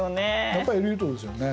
やっぱりエリートですよね。